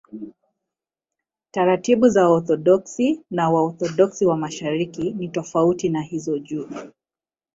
Taratibu za Waorthodoksi na Waorthodoksi wa Mashariki ni tofauti na hizo juu.